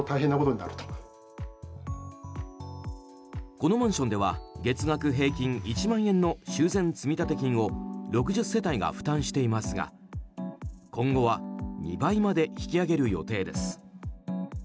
このマンションでは月額平均１万円の修繕積立金を６０世帯が負担していますが今後は２倍まで引き上げる予定です。